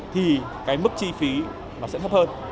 thì mức chi phí sẽ thấp hơn